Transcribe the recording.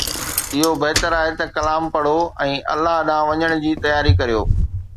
اھو بھتر آھي ته ڪلام پڙھو ۽ الله ڏانھن وڃڻ جي تياري ڪريو